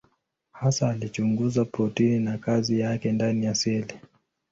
Hasa alichunguza protini na kazi yake ndani ya seli.